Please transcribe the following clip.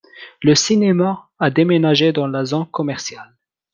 Le cinéma a déménagé dans la zone commerciale.